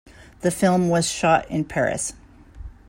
The film was shot in Paris.